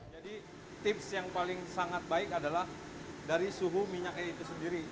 jadi tips yang paling sangat baik adalah dari suhu minyaknya itu sendiri